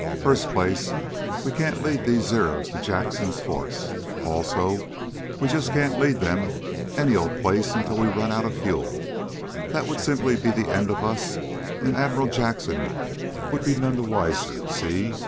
"First place, we can't lead these Zeros to Jackson's force. Also, we just can't lead them any old place until we run out of fuel. That would simply be the end of us, and Admiral Jackson would be none the wiser, see?"